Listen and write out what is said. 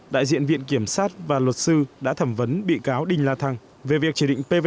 đại diện viện kiểm sát và luật sư đã thẩm vấn bị cáo đinh la thăng về việc chỉ định pvc làm tổng thầu